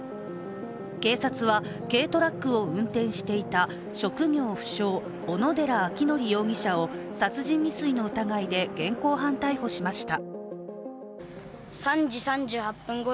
警察は、軽トラックを運転していた職業不詳・小野寺章仁容疑者を殺人未遂の疑いで現行犯逮捕しました。